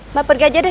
mbak pergi aja deh